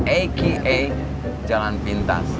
a k a jalan pintas